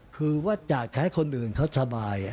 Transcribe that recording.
คือว่าอยากจะให้คนอื่นเขาสบาย